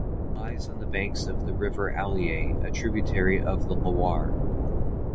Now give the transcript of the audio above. It lies on the banks of the River Allier, a tributary of the Loire.